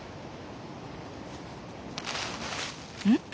うん？